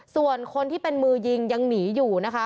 ส่วนคนที่เป็นมือยิงยังหนีอยู่นะคะ